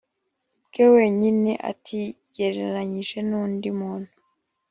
bwe wenyine atigereranyije n undi muntu